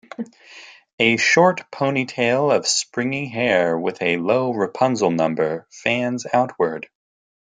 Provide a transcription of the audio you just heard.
A short ponytail of springy hair with a low Rapunzel number, fans outward.